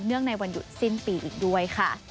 ในวันหยุดสิ้นปีอีกด้วยค่ะ